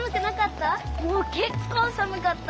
もうけっこうさむかった。